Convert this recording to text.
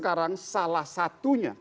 kalau pun memang kita harus mencari